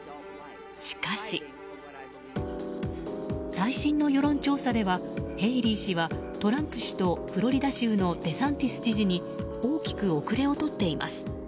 しかし、最新の世論調査ではヘイリー氏はトランプ氏とフロリダ州のデサンティス知事に大きく後れを取っています。